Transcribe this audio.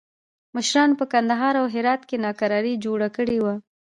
مشرانو په کندهار او هرات کې ناکراري جوړه کړې وه.